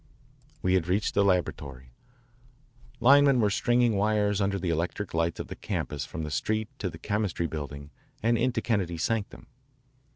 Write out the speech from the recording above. We had reached the laboratory. Linemen were stringing wires under the electric lights of the campus from the street to the Chemistry Building and into Kennedy's sanctum.